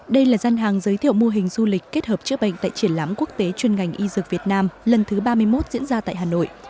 đây là gian hàng giới thiệu mô hình du lịch kết hợp chữa bệnh tại triển lãm quốc tế chuyên ngành y dược việt nam lần thứ ba mươi một diễn ra tại hà nội